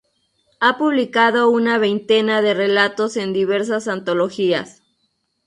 Ha publicado una veintena de relatos en diversas antologías.